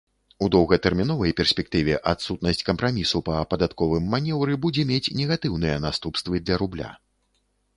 У доўгатэрміновай перспектыве адсутнасць кампрамісу па падатковым манеўры будзе мець негатыўныя наступствы для рубля.